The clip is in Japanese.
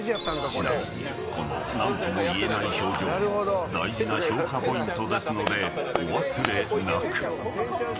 ちなみにこの何とも言えない表情も大事な評価ポイントですのでお忘れなく。